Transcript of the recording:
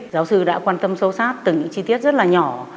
giáo sư đã quan tâm sâu sát từ những chi tiết rất là nhỏ